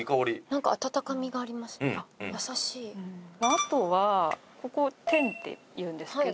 あとはここ天っていうんですけど。